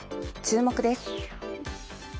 注目です。